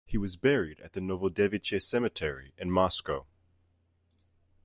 He was buried at the Novodevichy Cemetery in Moscow.